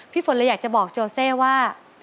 ฝนเลยอยากจะบอกโจเซ่ว่า